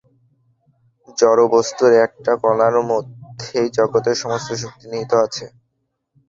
জড়বস্তুর একটি কণার মধ্যেই জগতের সমস্ত শক্তি নিহিত আছে।